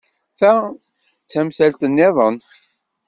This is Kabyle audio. Ta d tamsalt niḍen.